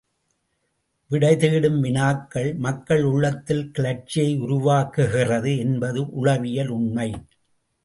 விடை தேடும் வினாக்கள் மக்கள் உள்ளத்தில் கிளர்ச்சியை உருவாக்குகிறது என்பது உளவியல் உண்மை.